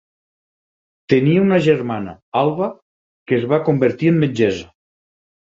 Tenia una germana, Alva, que es va convertir en metgessa.